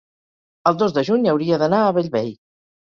el dos de juny hauria d'anar a Bellvei.